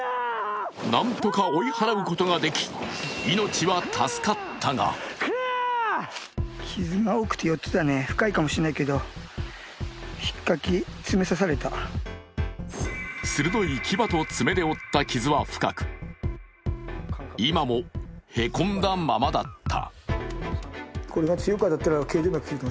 なんとか追い払うことができ、命は助かったが鋭い牙と爪で負った傷は深く、今もへこんだままだった。